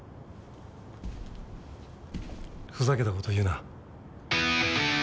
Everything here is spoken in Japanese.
ふざけた事言うな。